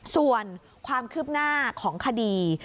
ส่วนความคืบหน้าของคดี